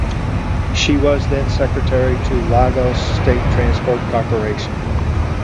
She was then secretary to the Lagos State Transport Corporation.